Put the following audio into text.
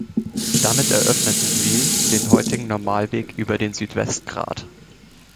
Damit eröffneten sie den heutigen Normalweg über den Südwestgrat.